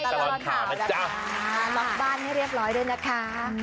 ล็อกบ้านให้เรียบร้อยด้วยนะคะ